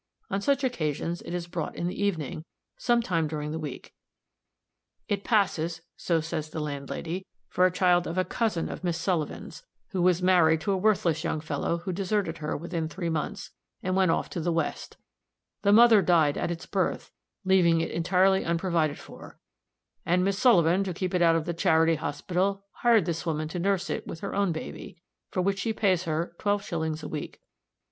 On such occasions it is brought in the evening, some time during the week. It passes, so says the landlady, for the child of a cousin of Miss Sullivan's, who was married to a worthless young fellow, who deserted her within three months, and went off to the west; the mother died at its birth, leaving it entirely unprovided for, and Miss Sullivan, to keep it out of the charity hospital, hired this woman to nurse it with her own baby, for which she pays her twelve shillings a week.